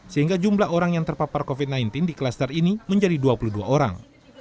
sehingga jumlah orang yang terpapar covid sembilan belas di klaster ini menjadi dua puluh dua orang